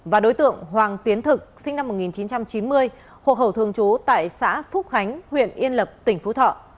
và đối tượng hoàng tiến thực sinh năm một nghìn chín trăm chín mươi hộ khẩu thường trú tại xã phúc khánh huyện yên lập tỉnh phú thọ